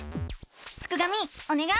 すくがミおねがい！